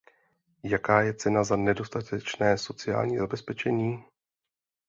Jaká je cena za nedostatečné sociální zabezpečení?